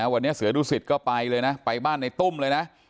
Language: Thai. วันนี้เสือดุสิตก็ไปเลยนะไปบ้านในตุ้มเลยนะ